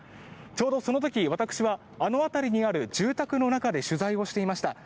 ちょうどその時私はあの辺りにある住宅の中で取材をしていました。